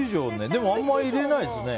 でも、あまり入れないですよね。